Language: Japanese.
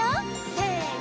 せの！